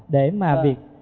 để mà việc